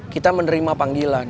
kita menerima panggilan